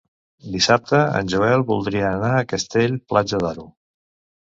Dissabte en Joel voldria anar a Castell-Platja d'Aro.